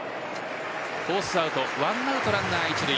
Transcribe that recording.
フォースアウト１アウトランナー一塁。